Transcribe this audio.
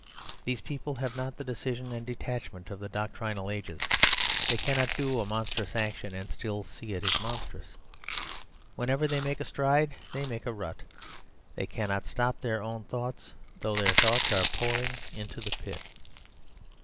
These people have not the decision and detachment of the doctrinal ages. They cannot do a monstrous action and still see it is monstrous. Wherever they make a stride they make a rut. They cannot stop their own thoughts, though their thoughts are pouring into the pit.